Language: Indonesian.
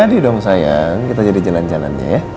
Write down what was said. jadi dong sayang kita jadi jalan jalannya ya